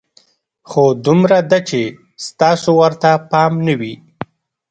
خو دومره ده چې ستاسو ورته پام نه وي.